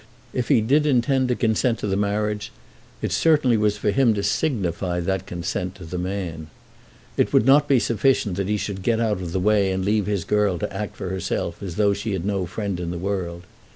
If he did intend to consent to the marriage, it certainly was for him to signify that consent to the man. It would not be sufficient that he should get out of the way and leave his girl to act for herself as though she had no friend in the world.